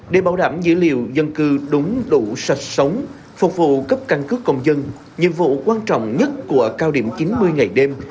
để bảo đảm dữ liệu dân cư đúng đủ sạch sống phục vụ cấp căn cước công dân nhiệm vụ quan trọng nhất của cao điểm chín mươi ngày đêm